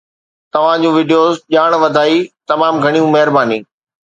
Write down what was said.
توهان جون وڊيوز ڄاڻ وڌائي، تمام گهڻو مهرباني